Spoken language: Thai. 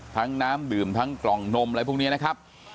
น้ำดื่มทั้งกล่องนมอะไรพวกนี้นะครับ